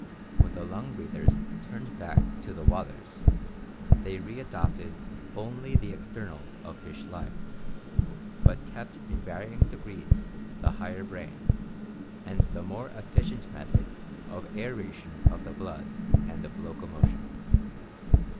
When the lung breathers turned back to the waters, they readopted only the externals of fish life, but kept in varying degrees the higher brain and the more efficient methods of aeration of the blood and of locomotion.